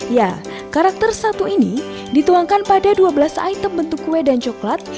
ya karakter satu ini dituangkan pada dua belas item bentuk kue dan coklat